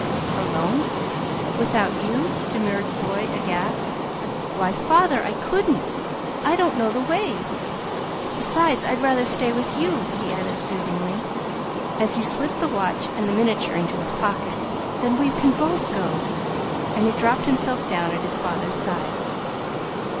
"Alone? Without you?" demurred the boy, aghast. "Why, father, I couldn't! I don't know the way. Besides, I'd rather stay with you," he added soothingly, as he slipped the watch and the miniature into his pocket; "then we can both go." And he dropped himself down at his father's side.